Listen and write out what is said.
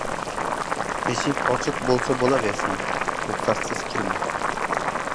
• Eshik ochiq bo‘lsa bo‘laversin, ruxsatsiz kirma.